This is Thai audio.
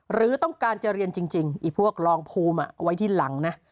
หรือต้องการจะเรียนจริงไอ้พวกรองภูมิเอาไว้ที่หลังนะ